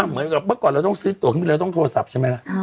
เหมือนกับเมื่อก่อนเราต้องซื้อตัวขึ้นไปแล้วต้องโทรศัพท์ใช่ไหมล่ะ